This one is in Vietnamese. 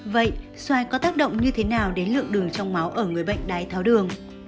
vậy xoài có tác động như thế nào đến lượng đường trong máu ở người bệnh đái tháo đường